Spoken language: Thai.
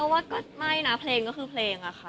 ว่าก็ไม่นะเพลงก็คือเพลงอะค่ะ